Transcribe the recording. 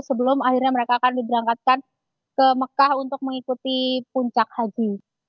sebelum akhirnya mereka akan diberangkatkan ke mekah untuk mengikuti puncak haji